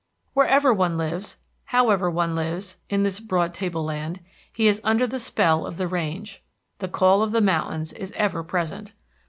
Wherever one lives, however one lives, in this broad tableland, he is under the spell of the range. The call of the mountains is ever present.